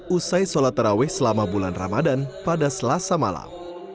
usai sholat terawih selama bulan ramadan pada selasa malam